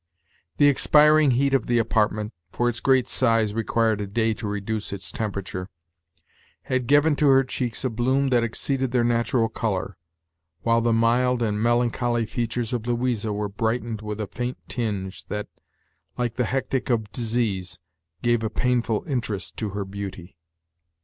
The expiring heat of the apartment for its great size required a day to reduce its temperature had given to her cheeks a bloom that exceeded their natural color, while the mild and melancholy features of Louisa were brightened with a faint tinge, that, like the hectic of disease, gave a painful interest to her beauty.